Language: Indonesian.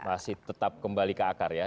masih tetap kembali ke akar ya